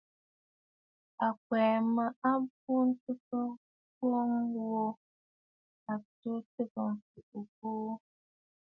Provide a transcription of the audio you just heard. À kwɛ̀ʼɛ mɔʼɔ àbu tɨgə̀ ŋ̀kɔʼɔ ŋwò ghu atu ntɨgə mfuʼu buu.